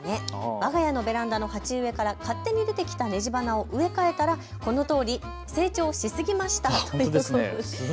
わが家のベランダの鉢植えから勝手に出てきたねじばなを植え替えたらこのとおり成長しすぎましたということです。